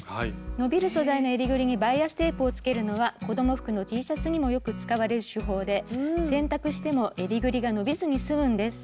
伸びる素材の襟ぐりにバイアステープをつけるのは子供服のＴシャツにもよく使われる手法で洗濯しても襟ぐりが伸びずに済むんです。